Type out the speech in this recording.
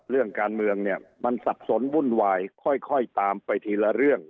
เรื่องการเมืองเนี่ยมันสับสนวุ่นวายค่อยตามไปทีละเรื่อง